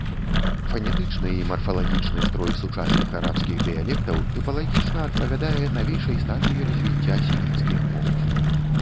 Фанетычны і марфалагічны строй сучасных арабскіх дыялектаў тыпалагічна адпавядае навейшай стадыі развіцця семіцкіх моў.